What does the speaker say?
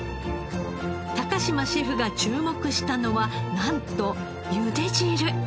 高島シェフが注目したのはなんとゆで汁！